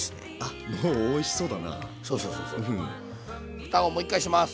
ふたをもう一回します。